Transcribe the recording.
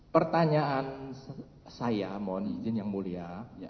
pertanyaan saya mohon izin yang mulia